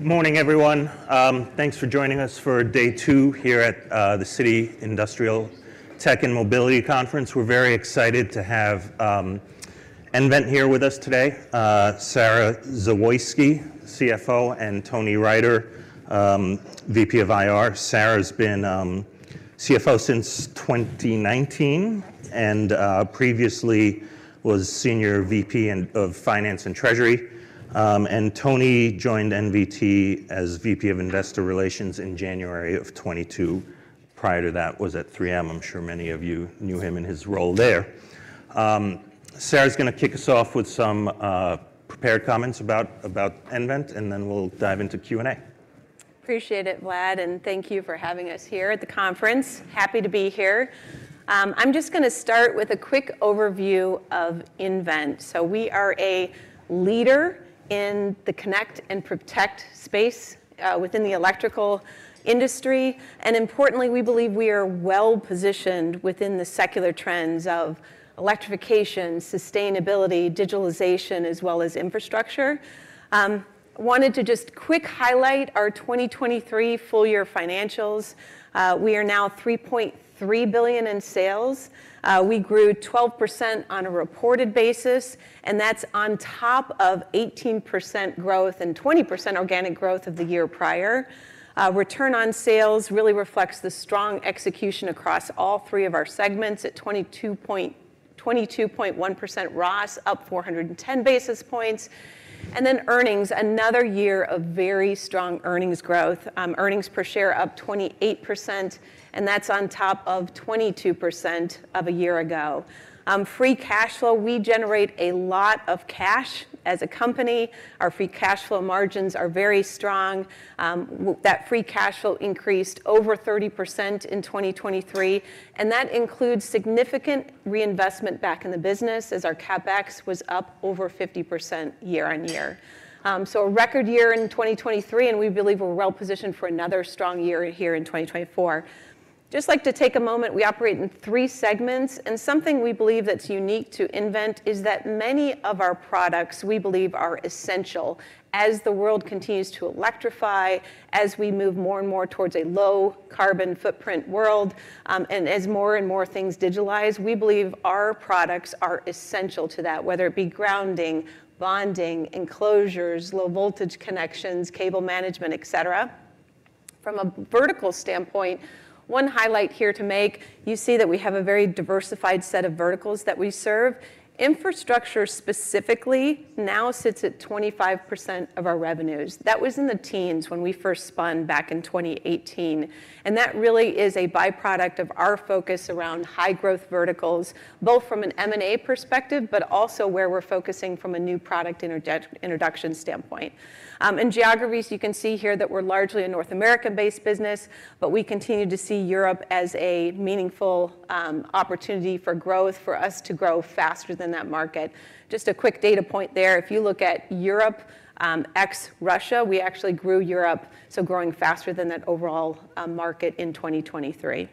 Good morning, everyone. Thanks for joining us for day two here at the Citi Industrial Tech and Mobility Conference. We're very excited to have nVent here with us today, Sara Zawoyski, Chief Financial Officer, and Tony Riter, Vice President of IR. Sara's been Chief Financial Officer since 2019 and previously was Senior Vice President of Finance and Treasury. Tony joined nVent as Vice President of Investor Relations in January of 2022. Prior to that, was at 3M. I'm sure many of you knew him in his role there. Sara's gonna kick us off with some prepared comments about nVent, and then we'll dive into Q&A. Appreciate it, Vlad, and thank you for having us here at the conference. Happy to be here. I'm just gonna start with a quick overview of nVent. So we are a leader in the connect and protect space, within the electrical industry. And importantly, we believe we are well-positioned within the secular trends of electrification, sustainability, digitalization, as well as infrastructure. Wanted to just quickly highlight our 2023 full-year financials. We are now $3.3 billion in sales. We grew 12% on a reported basis, and that's on top of 18% growth and 20% organic growth of the year prior. Return on sales really reflects the strong execution across all three of our segments at 22.1% ROS, up 410 basis points. And then earnings, another year of very strong earnings growth. Earnings per share up 28%, and that's on top of 22% of a year ago. Free cash flow, we generate a lot of cash as a company. Our free cash flow margins are very strong. With that free cash flow increased over 30% in 2023, and that includes significant reinvestment back in the business as our CapEx was up over 50% year-on-year. A record year in 2023, and we believe we're well-positioned for another strong year here in 2024. Just like to take a moment, we operate in three segments. And something we believe that's unique to nVent is that many of our products, we believe, are essential as the world continues to electrify, as we move more and more towards a low-carbon footprint world, and as more and more things digitalize. We believe our products are essential to that, whether it be grounding, bonding, enclosures, low-voltage connections, cable management, etc. From a vertical standpoint, one highlight here to make, you see that we have a very diversified set of verticals that we serve. Infrastructure specifically now sits at 25% of our revenues. That was in the teens when we first spun back in 2018. And that really is a byproduct of our focus around high-growth verticals, both from an M&A perspective, but also where we're focusing from a new product introduction standpoint. In geographies, you can see here that we're largely a North American-based business, but we continue to see Europe as a meaningful opportunity for growth for us to grow faster than that market. Just a quick data point there. If you look at Europe, ex-Russia, we actually grew Europe, so growing faster than that overall market in 2023.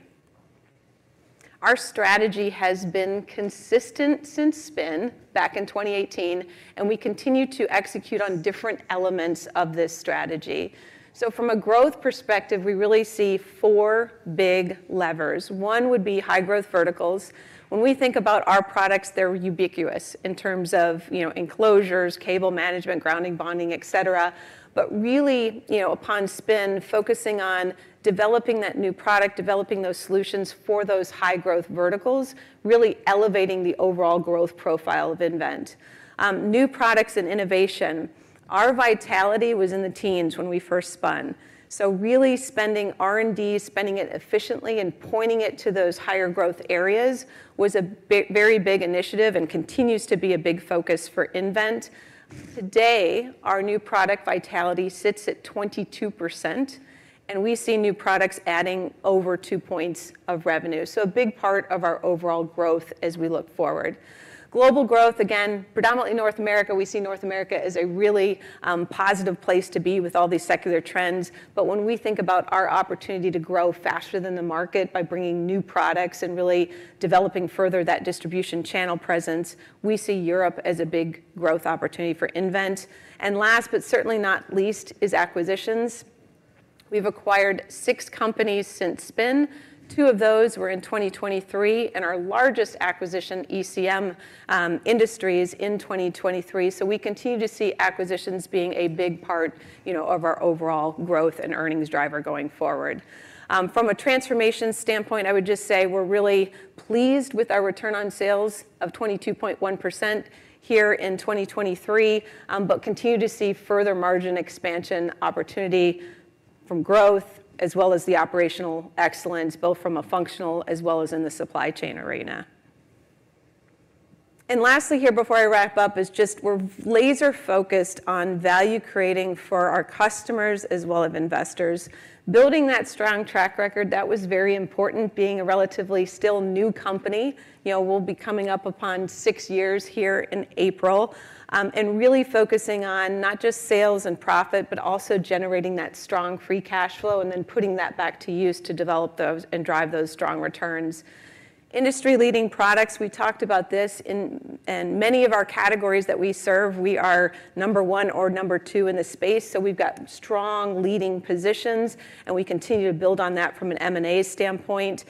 Our strategy has been consistent since spin back in 2018, and we continue to execute on different elements of this strategy. So from a growth perspective, we really see four big levers. One would be high-growth verticals. When we think about our products, they're ubiquitous in terms of, you know, enclosures, cable management, grounding, bonding, etc. But really, you know, upon spin, focusing on developing that new product, developing those solutions for those high-growth verticals, really elevating the overall growth profile of nVent. new products and innovation, our vitality was in the teens when we first spun. So really spending R&D, spending it efficiently, and pointing it to those higher-growth areas was a big, very big initiative and continues to be a big focus for nVent. Today, our new product vitality sits at 22%, and we see new products adding over two points of revenue. So a big part of our overall growth as we look forward. Global growth, again, predominantly North America. We see North America as a really positive place to be with all these secular trends. But when we think about our opportunity to grow faster than the market by bringing new products and really developing further that distribution channel presence, we see Europe as a big growth opportunity for nVent. And last but certainly not least is acquisitions. We've acquired six companies since spin. Two of those were in 2023 and our largest acquisition, ECM Industries in 2023. So we continue to see acquisitions being a big part, you know, of our overall growth and earnings driver going forward. From a transformation standpoint, I would just say we're really pleased with our return on sales of 22.1% here in 2023, but continue to see further margin expansion opportunity from growth as well as the operational excellence, both from a functional as well as in the supply chain arena. And lastly here, before I wrap up, is just we're laser-focused on value creating for our customers as well as investors. Building that strong track record, that was very important, being a relatively still new company. You know, we'll be coming up upon six years here in April, and really focusing on not just sales and profit, but also generating that strong free cash flow and then putting that back to use to develop those and drive those strong returns. Industry-leading products. We talked about this in many of our categories that we serve. We are number one or number two in the space. So we've got strong leading positions, and we continue to build on that from an M&A standpoint.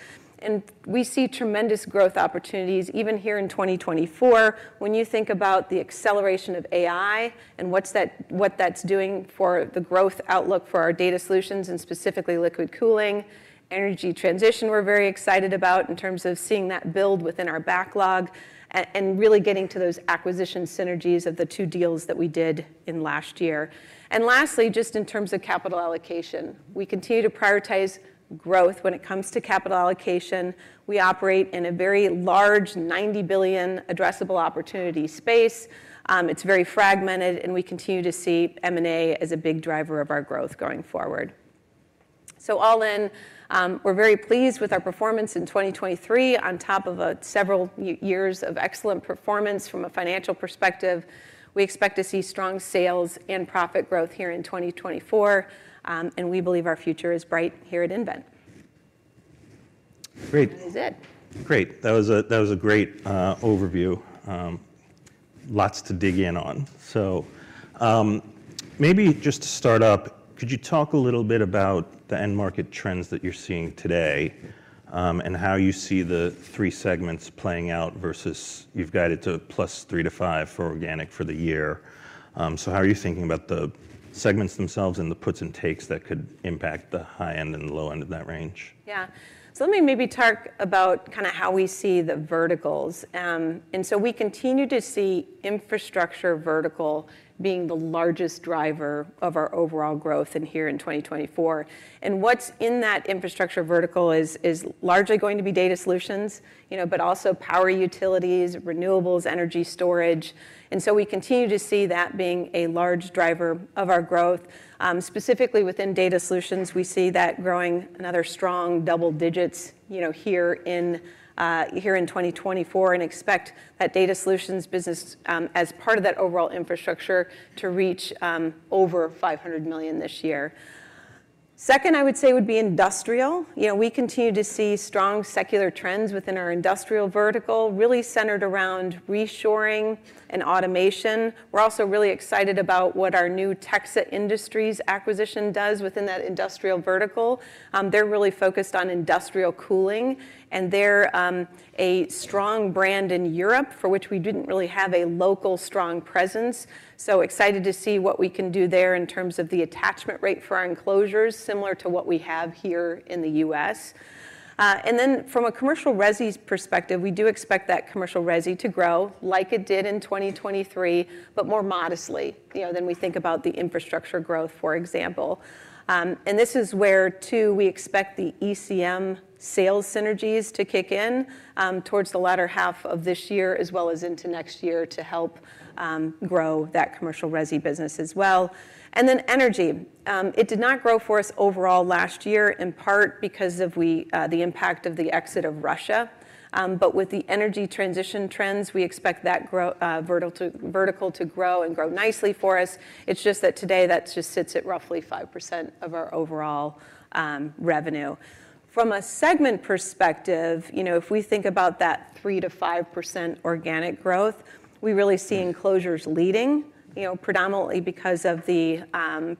We see tremendous growth opportunities even here in 2024 when you think about the acceleration of AI and what that's doing for the growth outlook for our Data Solutions and specifically liquid cooling. Energy transition, we're very excited about in terms of seeing that build within our backlog and really getting to those acquisition synergies of the two deals that we did in last year. Lastly, just in terms of capital allocation, we continue to prioritize growth when it comes to capital allocation. We operate in a very large $90 billion addressable opportunity space. It's very fragmented, and we continue to see M&A as a big driver of our growth going forward. So all in, we're very pleased with our performance in 2023 on top of several years of excellent performance from a financial perspective. We expect to see strong sales and profit growth here in 2024, and we believe our future is bright here at nVent. Great. That is it. Great. That was a, that was a great overview. Lots to dig in on. So, maybe just to start up, could you talk a little bit about the end-market trends that you're seeing today, and how you see the three segments playing out versus you've got 2% to +3-5% for organic for the year. So how are you thinking about the segments themselves and the puts and takes that could impact the high end and the low end of that range? Yeah. So let me maybe talk about kind of how we see the verticals. And so we continue to see infrastructure vertical being the largest driver of our overall growth in here in 2024. And what's in that infrastructure vertical is, is largely going to be data solutions, you know, but also power utilities, renewables, energy storage. And so we continue to see that being a large driver of our growth. Specifically within data solutions, we see that growing another strong double digits, you know, here in, here in 2024 and expect that data solutions business, as part of that overall infrastructure to reach over $500 million this year. Second, I would say would be industrial. You know, we continue to see strong secular trends within our industrial vertical really centered around reshoring and automation. We're also really excited about what our new Texa Industries acquisition does within that industrial vertical. They're really focused on industrial cooling, and they're a strong brand in Europe for which we didn't really have a local strong presence. So excited to see what we can do there in terms of the attachment rate for our enclosures similar to what we have here in the U.S. And then from a commercial resi's perspective, we do expect that commercial resi to grow like it did in 2023, but more modestly, you know, than we think about the infrastructure growth, for example. And this is where, too, we expect the ECM sales synergies to kick in, towards the latter half of this year as well as into next year to help, grow that commercial resi business as well. Then energy, it did not grow for us overall last year in part because of the impact of the exit of Russia. But with the energy transition trends, we expect that vertical to grow and grow nicely for us. It's just that today that just sits at roughly 5% of our overall revenue. From a segment perspective, you know, if we think about that 3% to 5% organic growth, we really see enclosures leading, you know, predominantly because of the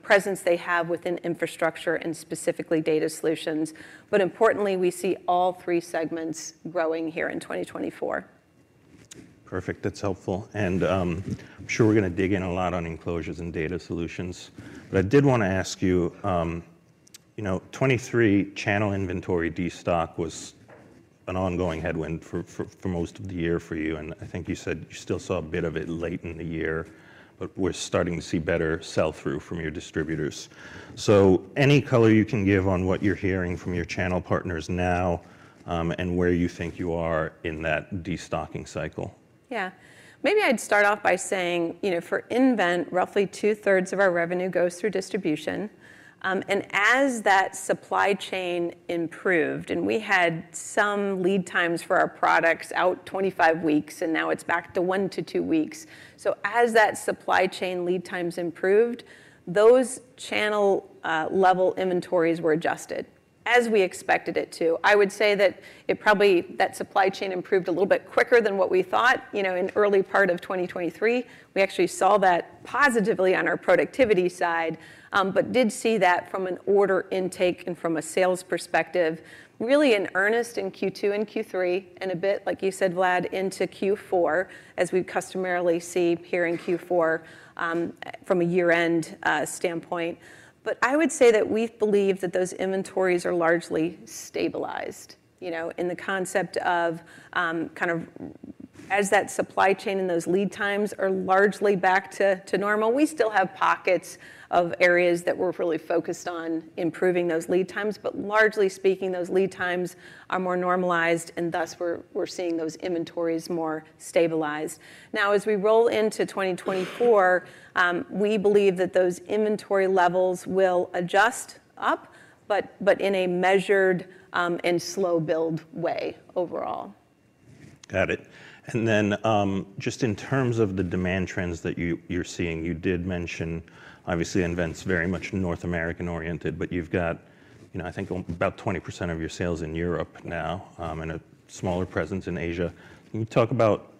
presence they have within infrastructure and specifically Data Solutions. But importantly, we see all three segments growing here in 2024. Perfect. That's helpful. I'm sure we're gonna dig in a lot on enclosures and Data Solutions. But I did wanna ask you, you know, 2023 channel inventory destock was an ongoing headwind for most of the year for you. And I think you said you still saw a bit of it late in the year, but we're starting to see better sell-through from your distributors. So any color you can give on what you're hearing from your channel partners now, and where you think you are in that destocking cycle? Yeah. Maybe I'd start off by saying, you know, for nVent, roughly two-thirds of our revenue goes through distribution. As that supply chain improved, and we had some lead times for our products out 25 weeks, and now it's back to one to two weeks. So as that supply chain lead times improved, those channel-level inventories were adjusted as we expected it to. I would say that it probably the supply chain improved a little bit quicker than what we thought. You know, in early part of 2023, we actually saw that positively on our productivity side, but did see that from an order intake and from a sales perspective, really in earnest in Q2 and Q3 and a bit, like you said, Vlad, into Q4 as we customarily see here in Q4, from a year-end standpoint. But I would say that we believe that those inventories are largely stabilized, you know, in the concept of, kind of as that supply chain and those lead times are largely back to, to normal. We still have pockets of areas that we're really focused on improving those lead times. But largely speaking, those lead times are more normalized, and thus we're, we're seeing those inventories more stabilized. Now, as we roll into 2024, we believe that those inventory levels will adjust up, but, but in a measured, and slow-build way overall. Got it. And then, just in terms of the demand trends that you, you're seeing, you did mention, obviously, nVent's very much North American-oriented, but you've got, you know, I think about 20% of your sales in Europe now, and a smaller presence in Asia. Can you talk about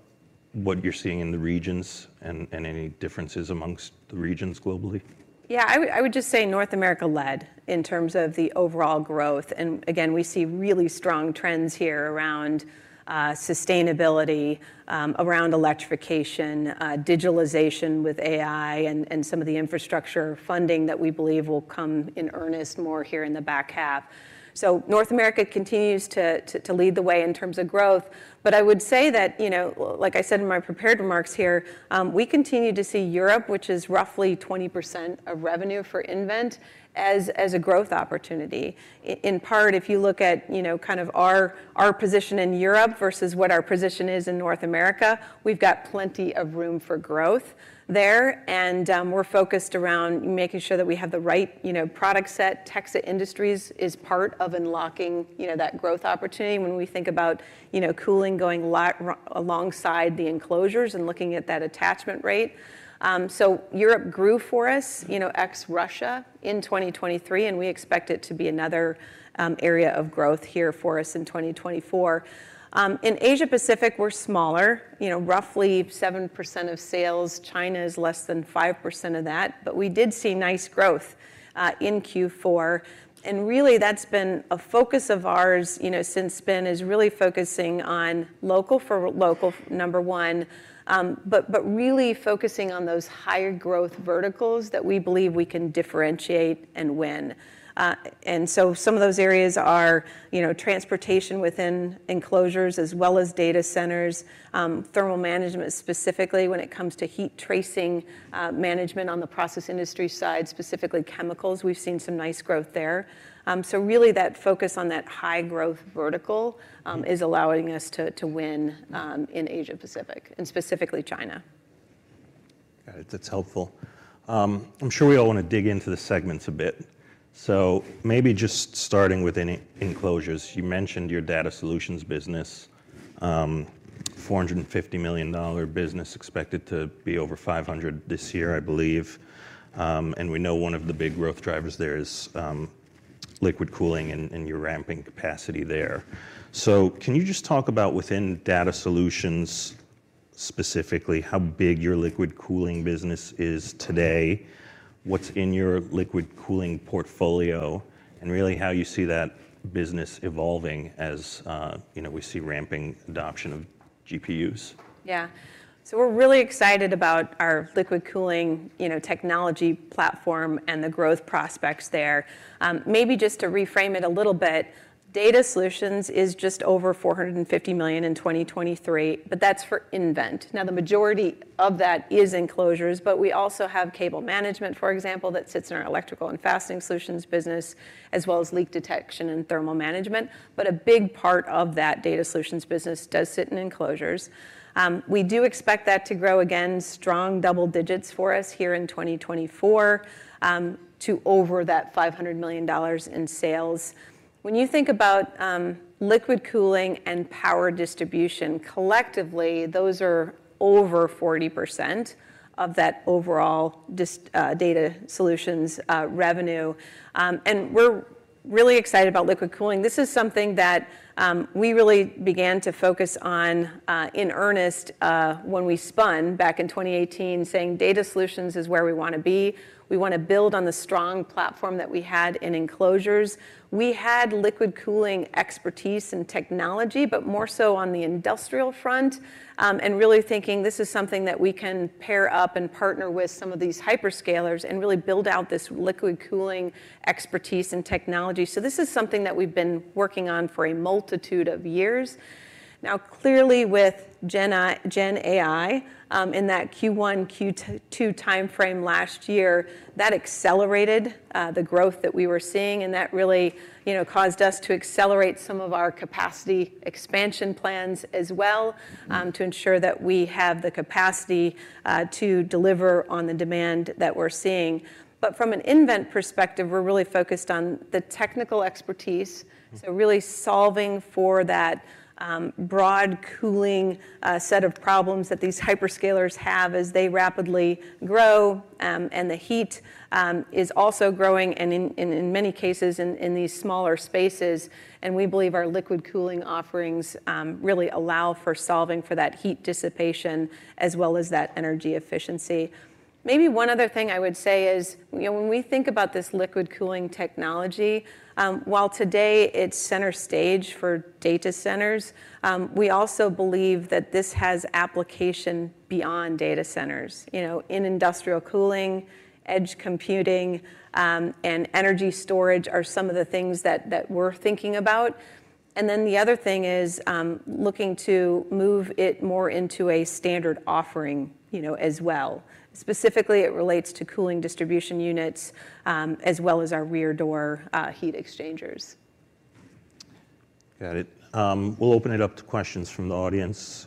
what you're seeing in the regions and, and any differences amongst the regions globally? Yeah. I would, I would just say North America-led in terms of the overall growth. And again, we see really strong trends here around sustainability, around electrification, digitalization with AI, and some of the infrastructure funding that we believe will come in earnest more here in the back half. So North America continues to, to, to lead the way in terms of growth. But I would say that, you know, like I said in my prepared remarks here, we continue to see Europe, which is roughly 20% of revenue for nVent, as a growth opportunity. In part, if you look at, you know, kind of our position in Europe versus what our position is in North America, we've got plenty of room for growth there. And, we're focused around making sure that we have the right, you know, product set. Texa Industries is part of unlocking, you know, that growth opportunity when we think about, you know, cooling going lot alongside the enclosures and looking at that attachment rate. So Europe grew for us, you know, ex-Russia in 2023, and we expect it to be another area of growth here for us in 2024. In Asia-Pacific, we're smaller, you know, roughly 7% of sales. China's less than 5% of that. But we did see nice growth in Q4. And really, that's been a focus of ours, you know, since spin is really focusing on local for local, number one, but really focusing on those higher growth verticals that we believe we can differentiate and win. And so some of those areas are, you know, transportation within enclosures as well as data centers, thermal management specifically when it comes to heat tracing, management on the process industry side, specifically chemicals. We've seen some nice growth there. So really that focus on that high growth vertical is allowing us to win in Asia-Pacific and specifically China. Got it. That's helpful. I'm sure we all wanna dig into the segments a bit. So maybe just starting with in enclosures, you mentioned your data solutions business, $450 million business expected to be over $500 million this year, I believe. And we know one of the big growth drivers there is liquid cooling and your ramping capacity there. So can you just talk about within data solutions specifically how big your liquid cooling business is today, what's in your liquid cooling portfolio, and really how you see that business evolving as, you know, we see ramping adoption of GPUs? Yeah. So we're really excited about our liquid cooling, you know, technology platform and the growth prospects there. Maybe just to reframe it a little bit, Data Solutions is just over $450 million in 2023, but that's for nVent. Now, the majority of that is enclosures, but we also have cable management, for example, that sits in our Electrical and Fastening Solutions business as well as leak detection and thermal management. But a big part of that Data Solutions business does sit in enclosures. We do expect that to grow again, strong double digits for us here in 2024, to over $500 million in sales. When you think about liquid cooling and power distribution collectively, those are over 40% of that overall data solutions revenue. And we're really excited about liquid cooling. This is something that we really began to focus on in earnest when we spun back in 2018, saying Data Solutions is where we wanna be. We wanna build on the strong platform that we had in enclosures. We had liquid cooling expertise and technology, but more so on the industrial front, and really thinking this is something that we can pair up and partner with some of these hyperscalers and really build out this liquid cooling expertise and technology. So this is something that we've been working on for a multitude of years. Now, clearly with Gen AI, in that Q1, Q2 timeframe last year, that accelerated the growth that we were seeing, and that really, you know, caused us to accelerate some of our capacity expansion plans as well, to ensure that we have the capacity to deliver on the demand that we're seeing. From an nVent perspective, we're really focused on the technical expertise. So really solving for that broad cooling set of problems that these hyperscalers have as they rapidly grow, and the heat is also growing and in many cases in these smaller spaces. And we believe our liquid cooling offerings really allow for solving for that heat dissipation as well as that energy efficiency. Maybe one other thing I would say is, you know, when we think about this liquid cooling technology, while today it's center stage for data centers, we also believe that this has application beyond data centers. You know, in industrial cooling, edge computing, and energy storage are some of the things that we're thinking about. And then the other thing is, looking to move it more into a standard offering, you know, as well. Specifically, it relates to cooling distribution units, as well as our rear door heat exchangers. Got it. We'll open it up to questions from the audience.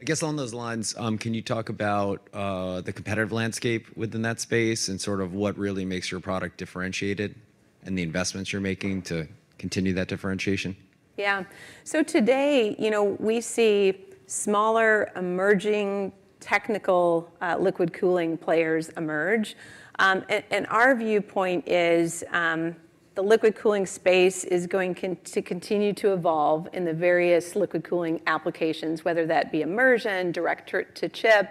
I guess on those lines, can you talk about the competitive landscape within that space and sort of what really makes your product differentiated and the investments you're making to continue that differentiation? Yeah. So today, you know, we see smaller emerging technical liquid cooling players emerge. And our viewpoint is, the liquid cooling space is going to continue to evolve in the various liquid cooling applications, whether that be immersion, direct to chip,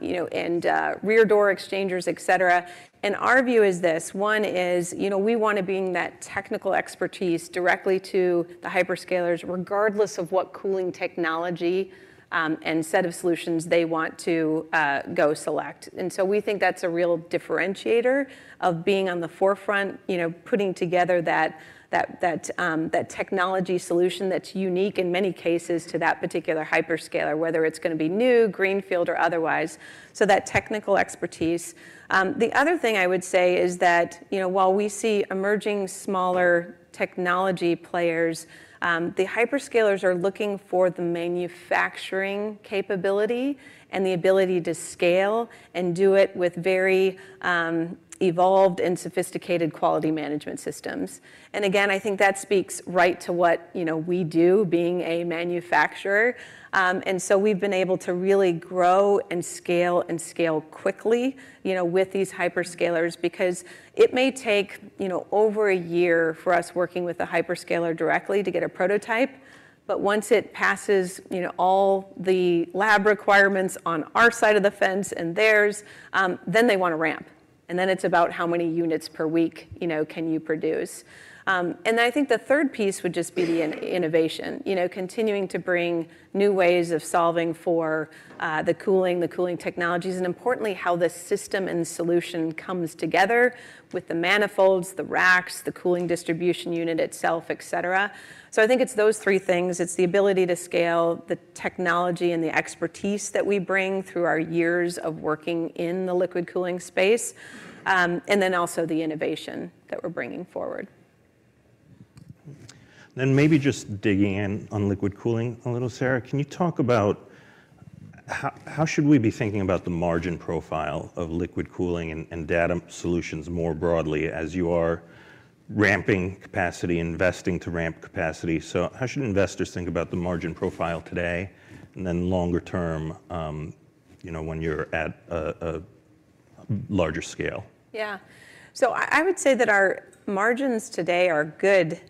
you know, and rear door exchangers, etc. And our view is this. One is, you know, we wanna bring that technical expertise directly to the hyperscalers regardless of what cooling technology, and set of solutions they want to go select. And so we think that's a real differentiator of being on the forefront, you know, putting together that technology solution that's unique in many cases to that particular hyperscaler, whether it's gonna be new, greenfield, or otherwise. So that technical expertise. The other thing I would say is that, you know, while we see emerging smaller technology players, the hyperscalers are looking for the manufacturing capability and the ability to scale and do it with very evolved and sophisticated quality management systems. And again, I think that speaks right to what, you know, we do being a manufacturer. And so we've been able to really grow and scale and scale quickly, you know, with these hyperscalers because it may take, you know, over a year for us working with a hyperscaler directly to get a prototype. But once it passes, you know, all the lab requirements on our side of the fence and theirs, then they wanna ramp. And then it's about how many units per week, you know, can you produce? And then I think the third piece would just be the innovation, you know, continuing to bring new ways of solving for the cooling, the cooling technologies, and importantly, how the system and solution comes together with the manifolds, the racks, the cooling distribution unit itself, et cetera. So I think it's those three things. It's the ability to scale the technology and the expertise that we bring through our years of working in the liquid cooling space, and then also the innovation that we're bringing forward. Then maybe just digging in on liquid cooling a little, Sara, can you talk about how, how should we be thinking about the margin profile of liquid cooling and, and data solutions more broadly as you are ramping capacity, investing to ramp capacity? So how should investors think about the margin profile today and then longer term, you know, when you're at a, a larger scale? Yeah. So I, I would say that our margins today are good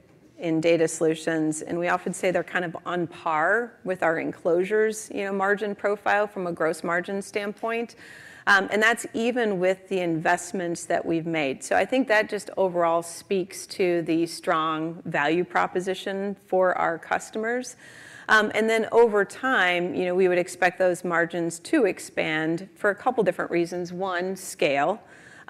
in data solutions, and we often say they're kind of on par with our enclosures, you know, margin profile from a gross margin standpoint. And that's even with the investments that we've made. So I think that just overall speaks to the strong value proposition for our customers. And then over time, you know, we would expect those margins to expand for a couple different reasons. One, scale.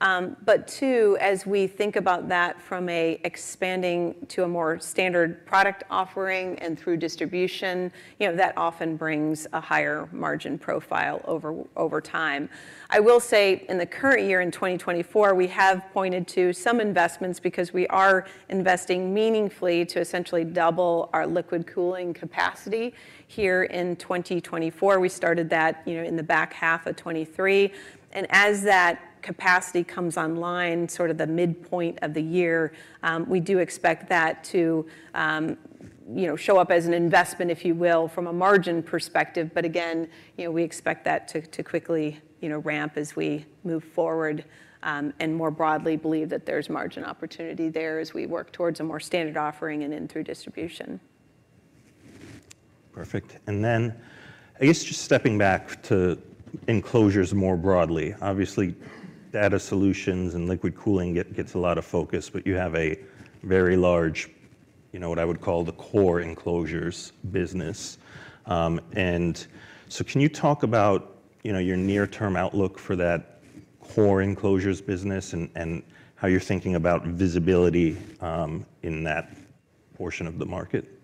But two, as we think about that from an expanding to a more standard product offering and through distribution, you know, that often brings a higher margin profile over time. I will say in the current year, in 2024, we have pointed to some investments because we are investing meaningfully to essentially double our liquid cooling capacity here in 2024. We started that, you know, in the back half of 2023. And as that capacity comes online, sort of the midpoint of the year, we do expect that to, you know, show up as an investment, if you will, from a margin perspective. But again, you know, we expect that to quickly, you know, ramp as we move forward, and more broadly believe that there's margin opportunity there as we work towards a more standard offering and in through distribution. Perfect. And then I guess just stepping back to enclosures more broadly, obviously data solutions and liquid cooling gets a lot of focus, but you have a very large, you know, what I would call the core enclosures business. And so can you talk about, you know, your near-term outlook for that core enclosures business and how you're thinking about visibility in that portion of the market?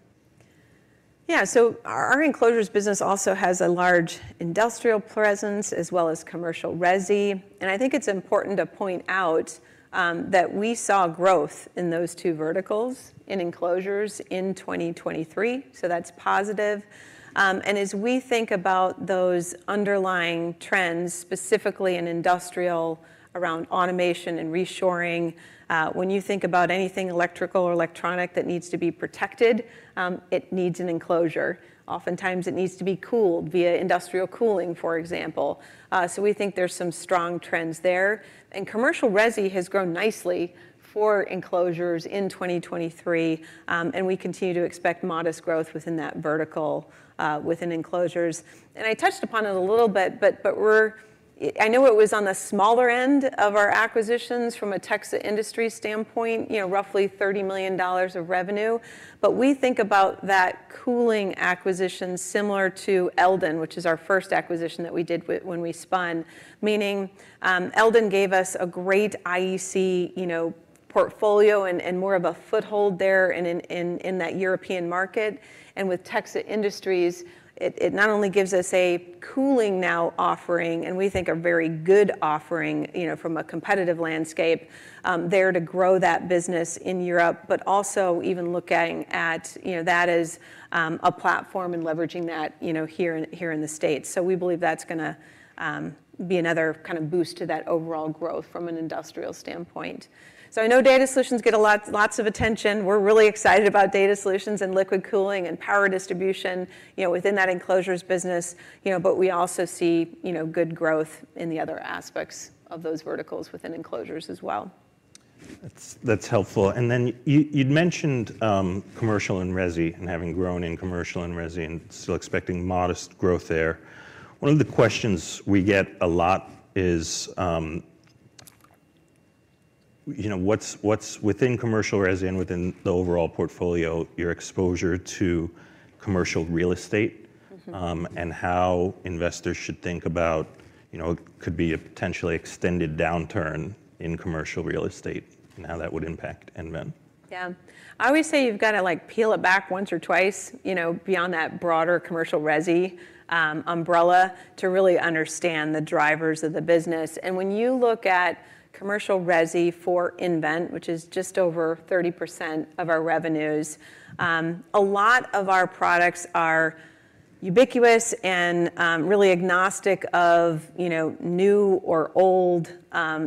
Yeah. So our enclosures business also has a large industrial presence as well as commercial resi. And I think it's important to point out that we saw growth in those two verticals in enclosures in 2023. So that's positive. And as we think about those underlying trends, specifically in industrial around automation and reshoring, when you think about anything electrical or electronic that needs to be protected, it needs an enclosure. Oftentimes it needs to be cooled via industrial cooling, for example. So we think there's some strong trends there. And commercial resi has grown nicely for enclosures in 2023, and we continue to expect modest growth within that vertical, within enclosures. And I touched upon it a little bit, but we're. I know it was on the smaller end of our acquisitions from a Texa Industries standpoint, you know, roughly $30 million of revenue. But we think about that cooling acquisition similar to Eldon, which is our first acquisition that we did when, when we spun, meaning Eldon gave us a great IEC, you know, portfolio and, and more of a foothold there and in, in, in that European market. And with Texa Industries, it, it not only gives us a cooling now offering, and we think a very good offering, you know, from a competitive landscape there to grow that business in Europe, but also even looking at, you know, that as a platform and leveraging that, you know, here in, here in the States. So we believe that's gonna be another kind of boost to that overall growth from an industrial standpoint. So I know Data Solutions get a lot, lots of attention. We're really excited about data solutions and liquid cooling and power distribution, you know, within that enclosures business, you know, but we also see, you know, good growth in the other aspects of those verticals within enclosures as well. That's, that's helpful. And then you, you'd mentioned, commercial and resi and having grown in commercial and resi and still expecting modest growth there. One of the questions we get a lot is, you know, what's, what's within commercial resi and within the overall portfolio, your exposure to commercial real estate, and how investors should think about, you know, it could be a potentially extended downturn in commercial real estate and how that would impact nVent? Yeah. I always say you've gotta, like, peel it back once or twice, you know, beyond that broader commercial resi umbrella to really understand the drivers of the business. And when you look at commercial resi for nVent, which is just over 30% of our revenues, a lot of our products are ubiquitous and really agnostic of, you know, new or old,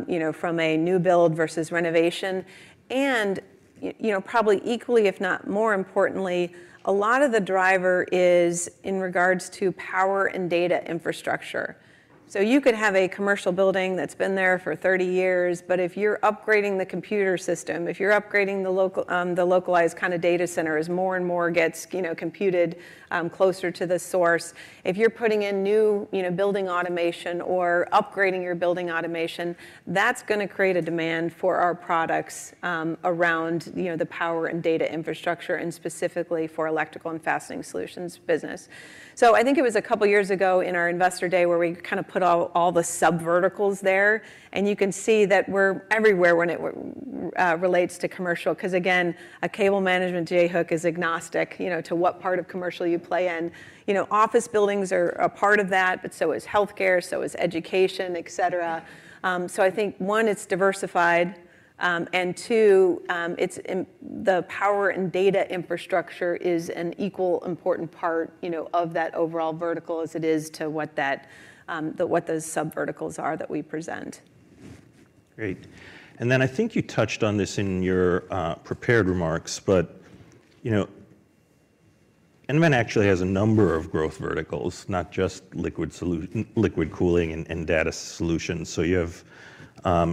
you know, from a new build versus renovation. And, you know, probably equally, if not more importantly, a lot of the driver is in regards to power and data infrastructure. So you could have a commercial building that's been there for 30 years, but if you're upgrading the computer system, if you're upgrading the local, the localized kind of data center as more and more gets, you know, computed closer to the source, if you're putting in new, you know, building automation or upgrading your building automation, that's gonna create a demand for our products around, you know, the power and data infrastructure and specifically for electrical and fastening solutions business. So I think it was a couple years ago in our investor day where we kind of put all, all the subverticals there. And you can see that we're everywhere when it relates to commercial. 'Cause again, a cable management J-hook is agnostic, you know, to what part of commercial you play in. You know, office buildings are a part of that, but so is healthcare, so is education, et cetera. So I think one, it's diversified, and two, it's in the power and data infrastructure is an equal important part, you know, of that overall vertical as it is to what that, the what those subverticals are that we present. Great. And then I think you touched on this in your prepared remarks, but you know, nVent actually has a number of growth verticals, not just liquid cooling and data solutions. So you have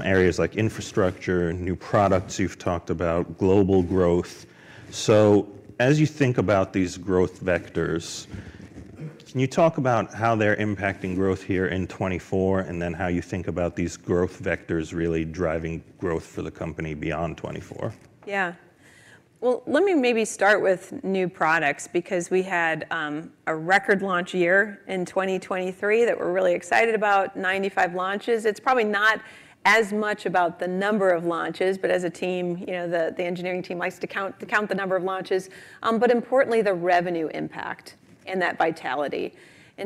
areas like infrastructure, new products you've talked about, global growth. So as you think about these growth vectors, can you talk about how they're impacting growth here in 2024 and then how you think about these growth vectors really driving growth for the company beyond 2024? Yeah. Well, let me maybe start with new products because we had a record launch year in 2023 that we're really excited about, 95 launches. It's probably not as much about the number of launches, but as a team, you know, the engineering team likes to count the number of launches, but importantly, the revenue impact and that vitality.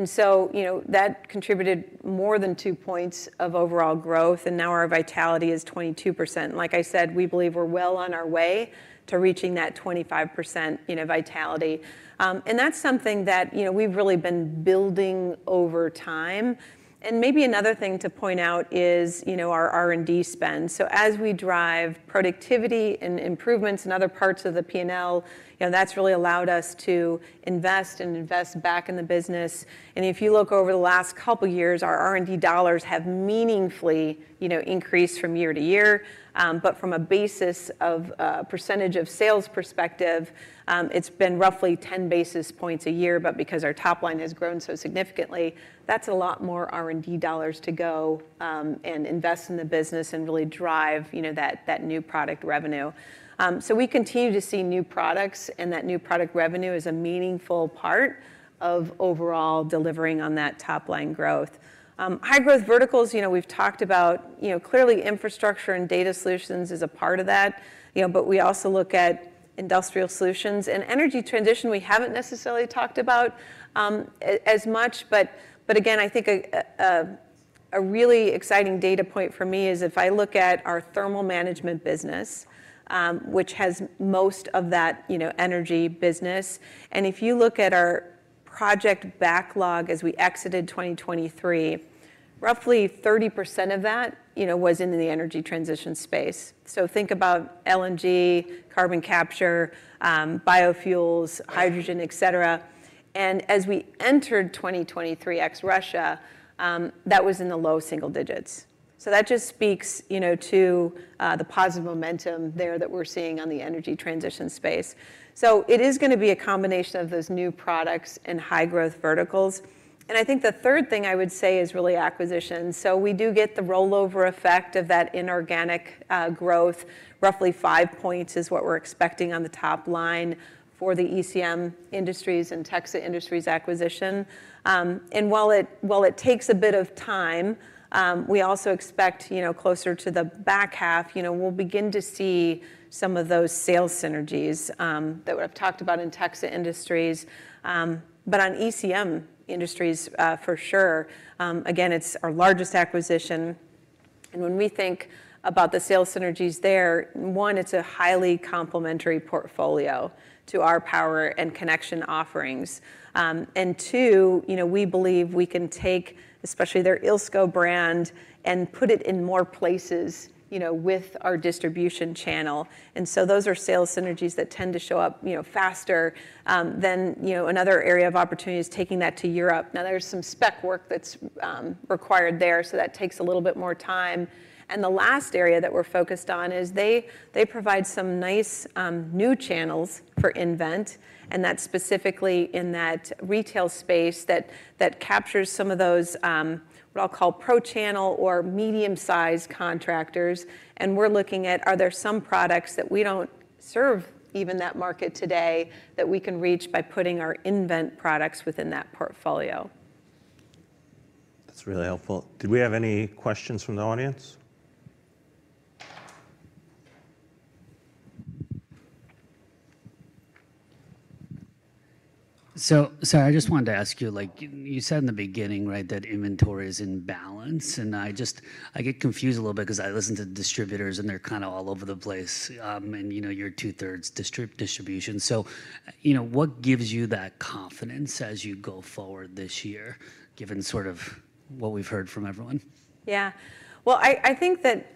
So, you know, that contributed more than 2 points of overall growth, and now our vitality is 22%. And like I said, we believe we're well on our way to reaching that 25%, you know, vitality. And that's something that, you know, we've really been building over time. And maybe another thing to point out is, you know, our R&D spend. So as we drive productivity and improvements in other parts of the P&L, you know, that's really allowed us to invest and invest back in the business. And if you look over the last couple years, our R&D dollars have meaningfully, you know, increased from year to year. But from a basis of, percentage of sales perspective, it's been roughly 10 basis points a year. But because our top line has grown so significantly, that's a lot more R&D dollars to go, and invest in the business and really drive, you know, that, that new product revenue. So we continue to see new products, and that new product revenue is a meaningful part of overall delivering on that top line growth. High growth verticals, you know, we've talked about, you know, clearly infrastructure and Data Solutions is a part of that, you know, but we also look at industrial solutions. Energy transition, we haven't necessarily talked about as much, but again, I think a really exciting data point for me is if I look at our thermal management business, which has most of that, you know, energy business. If you look at our project backlog as we exited 2023, roughly 30% of that, you know, was in the energy transition space. So think about LNG, carbon capture, biofuels, hydrogen, et cetera. And as we entered 2023 ex-Russia, that was in the low single digits. So that just speaks, you know, to the positive momentum there that we're seeing on the energy transition space. So it is gonna be a combination of those new products and high growth verticals. And I think the third thing I would say is really acquisitions. So we do get the rollover effect of that inorganic growth. Roughly 5% is what we're expecting on the top line for the ECM Industries and Texa Industries acquisition. And while it takes a bit of time, we also expect, you know, closer to the back half, you know, we'll begin to see some of those sales synergies that we have talked about in Texa Industries, but on ECM Industries, for sure. Again, it's our largest acquisition. And when we think about the sales synergies there, one, it's a highly complementary portfolio to our power and connection offerings. And two, you know, we believe we can take especially their ILSCO brand and put it in more places, you know, with our distribution channel. And so those are sales synergies that tend to show up, you know, faster than, you know, another area of opportunity is taking that to Europe. Now, there's some spec work that's required there, so that takes a little bit more time. And the last area that we're focused on is they provide some nice new channels for nVent, and that's specifically in that retail space that captures some of those, what I'll call pro-channel or medium-sized contractors. And we're looking at are there some products that we don't serve even that market today that we can reach by putting our nVent products within that portfolio? That's really helpful. Did we have any questions from the audience? So, sorry, I just wanted to ask you, like, you said in the beginning, right, that inventory is in balance. And I just, I get confused a little bit 'cause I listen to distributors and they're kind of all over the place. And, you know, you're two-thirds distrib-distribution. So, you know, what gives you that confidence as you go forward this year, given sort of what we've heard from everyone? Yeah. Well, I think that,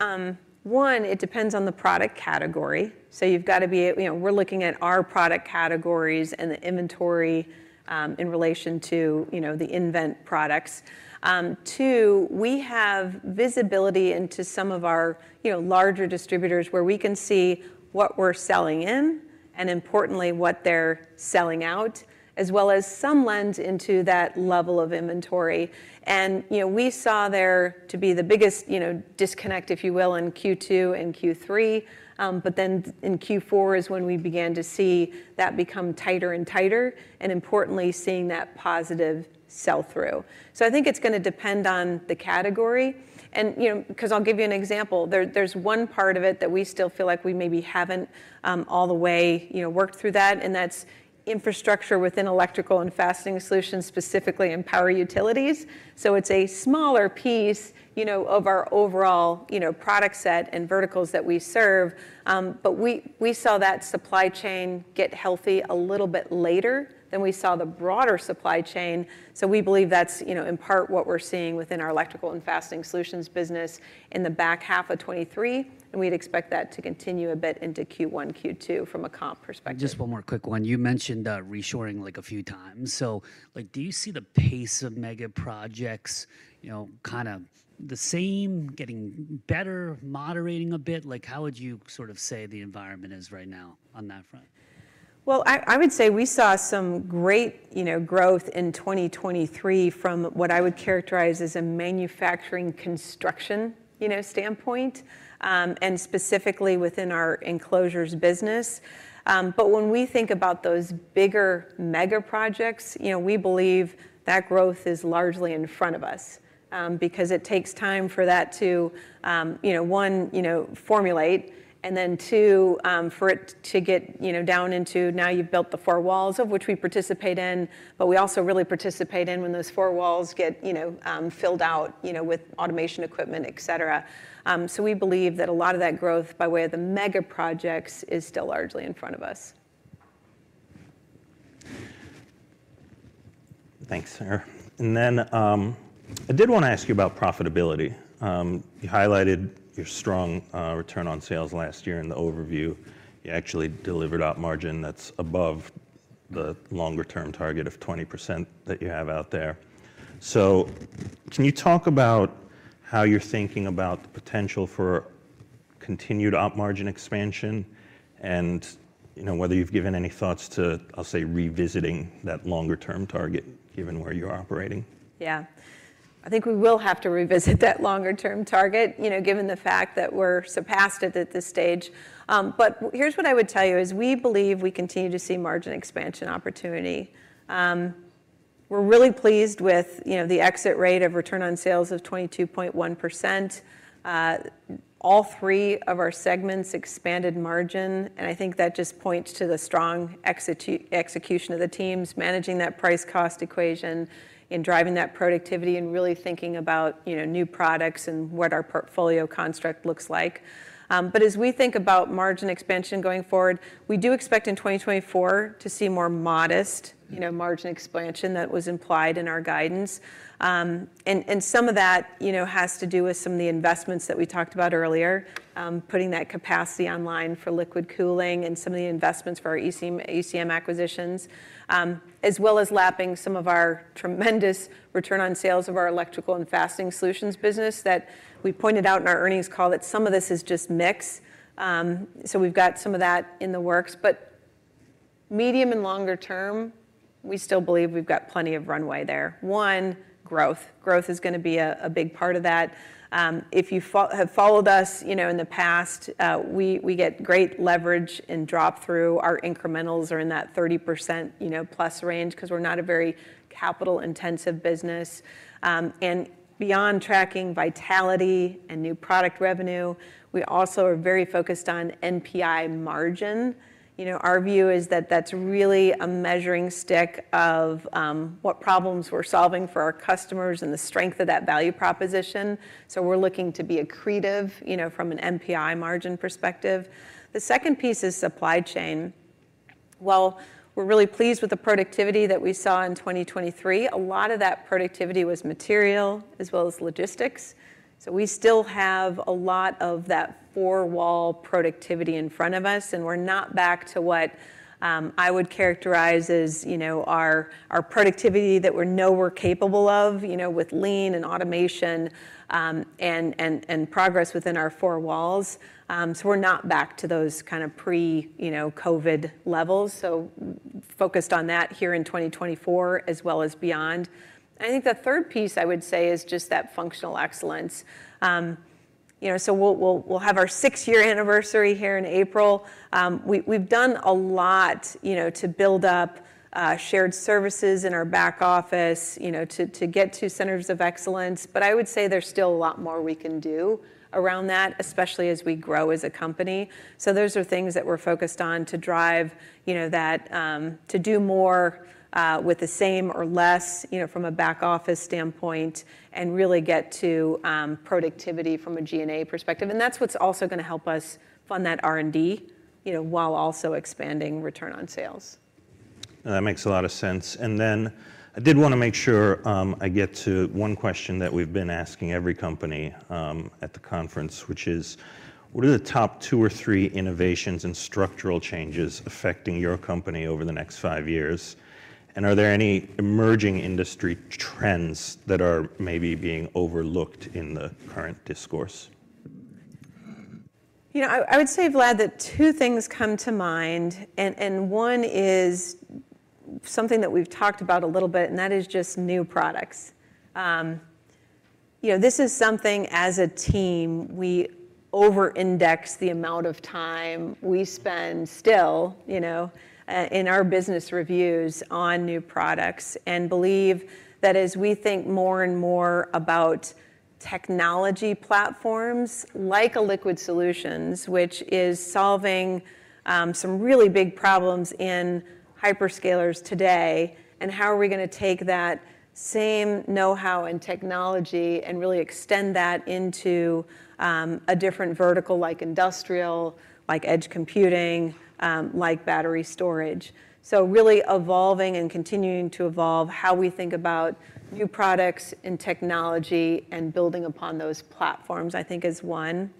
one, it depends on the product category. So you've gotta be at, you know, we're looking at our product categories and the inventory, in relation to, you know, the nVent products. Two, we have visibility into some of our, you know, larger distributors where we can see what we're selling in and importantly, what they're selling out, as well as some lens into that level of inventory. And, you know, we saw there to be the biggest, you know, disconnect, if you will, in Q2 and Q3. But then in Q4 is when we began to see that become tighter and tighter and importantly, seeing that positive sell-through. So I think it's gonna depend on the category. And, you know, 'cause I'll give you an example. There, there's one part of it that we still feel like we maybe haven't, all the way, you know, worked through that, and that's infrastructure within electrical and fastening solutions, specifically in power utilities. So it's a smaller piece, you know, of our overall, you know, product set and verticals that we serve. But we, we saw that supply chain get healthy a little bit later than we saw the broader supply chain. So we believe that's, you know, in part what we're seeing within our electrical and fastening solutions business in the back half of 2023. And we'd expect that to continue a bit into Q1, Q2 from a comp perspective. Just one more quick one. You mentioned, reshoring like a few times. So, like, do you see the pace of mega projects, you know, kind of the same, getting better, moderating a bit? Like, how would you sort of say the environment is right now on that front? Well, I would say we saw some great, you know, growth in 2023 from what I would characterize as a manufacturing construction, you know, standpoint, and specifically within our enclosures business. But when we think about those bigger mega projects, you know, we believe that growth is largely in front of us, because it takes time for that to, you know, one, you know, formulate, and then two, for it to get, you know, down into now you've built the four walls of which we participate in, but we also really participate in when those four walls get, you know, filled out, you know, with automation equipment, et cetera. So we believe that a lot of that growth by way of the mega projects is still largely in front of us. Thanks, Sara. Then, I did wanna ask you about profitability. You highlighted your strong return on sales last year in the overview. You actually delivered op margin that's above the longer-term target of 20% that you have out there. So can you talk about how you're thinking about the potential for continued op margin expansion and, you know, whether you've given any thoughts to, I'll say, revisiting that longer-term target given where you're operating? Yeah. I think we will have to revisit that longer-term target, you know, given the fact that we're surpassed at this stage. But here's what I would tell you is we believe we continue to see margin expansion opportunity. We're really pleased with, you know, the exit rate of return on sales of 22.1%. All three of our segments expanded margin. And I think that just points to the strong execution of the teams, managing that price-cost equation in driving that productivity and really thinking about, you know, new products and what our portfolio construct looks like. But as we think about margin expansion going forward, we do expect in 2024 to see more modest, you know, margin expansion that was implied in our guidance. and some of that, you know, has to do with some of the investments that we talked about earlier, putting that capacity online for liquid cooling and some of the investments for our ECM acquisitions, as well as lapping some of our tremendous return on sales of our electrical and fastening solutions business that we pointed out in our earnings call that some of this is just mix. So we've got some of that in the works. But medium and longer term, we still believe we've got plenty of runway there. One, growth. Growth is gonna be a big part of that. If you have followed us, you know, in the past, we get great leverage in drop-through. Our incrementals are in that 30%, you know, plus range 'cause we're not a very capital-intensive business. Beyond tracking vitality and new product revenue, we also are very focused on NPI margin. You know, our view is that that's really a measuring stick of what problems we're solving for our customers and the strength of that value proposition. So we're looking to be accretive, you know, from an NPI margin perspective. The second piece is supply chain. Well, we're really pleased with the productivity that we saw in 2023. A lot of that productivity was material as well as logistics. So we still have a lot of that four-wall productivity in front of us. And we're not back to what I would characterize as, you know, our productivity that we know we're capable of, you know, with lean and automation and progress within our four walls. So we're not back to those kind of pre-, you know, COVID levels. So focused on that here in 2024 as well as beyond. And I think the third piece I would say is just that functional excellence. You know, so we'll have our six-year anniversary here in April. We've done a lot, you know, to build up shared services in our back office, you know, to get to centers of excellence. But I would say there's still a lot more we can do around that, especially as we grow as a company. So those are things that we're focused on to drive, you know, to do more with the same or less, you know, from a back office standpoint and really get to productivity from a G&A perspective. And that's what's also gonna help us fund that R&D, you know, while also expanding return on sales. No, that makes a lot of sense. Then I did wanna make sure I get to one question that we've been asking every company at the conference, which is, what are the top two or three innovations and structural changes affecting your company over the next five years? And are there any emerging industry trends that are maybe being overlooked in the current discourse? You know, I, I would say, Vlad, that two things come to mind. And, and one is something that we've talked about a little bit, and that is just new products. You know, this is something as a team, we over-index the amount of time we spend still, you know, in our business reviews on new products and believe that as we think more and more about technology platforms like liquid cooling solutions, which is solving some really big problems in hyperscalers today, and how are we gonna take that same know-how and technology and really extend that into a different vertical like industrial, like edge computing, like battery storage. So really evolving and continuing to evolve how we think about new products and technology and building upon those platforms, I think, is one.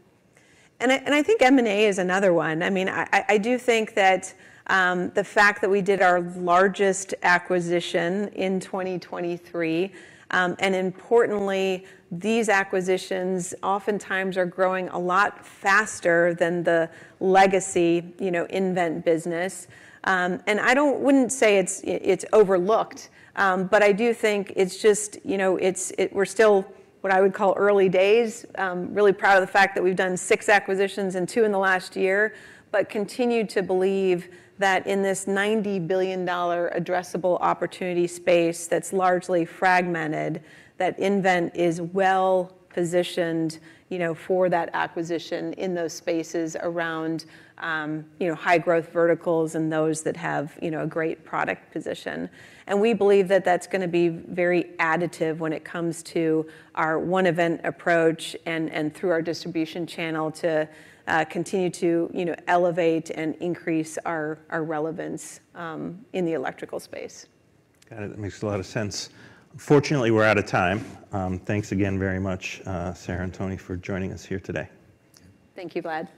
And I, and I think M&A is another one. I mean, I do think that the fact that we did our largest acquisition in 2023, and importantly, these acquisitions oftentimes are growing a lot faster than the legacy, you know, nVent business. And I wouldn't say it's overlooked, but I do think it's just, you know, it's, we're still what I would call early days. Really proud of the fact that we've done six acquisitions and two in the last year, but continue to believe that in this $90 billion addressable opportunity space that's largely fragmented, that nVent is well-positioned, you know, for that acquisition in those spaces around, you know, high-growth verticals and those that have, you know, a great product position. We believe that that's gonna be very additive when it comes to our nVent approach and through our distribution channel to continue to, you know, elevate and increase our relevance in the electrical space. Got it. That makes a lot of sense. Unfortunately, we're out of time. Thanks again very much, Sara and Tony, for joining us here today. Thank you, Vlad.